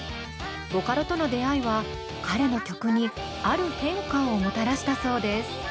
ボカロとの出会いは彼の曲にある変化をもたらしたそうです。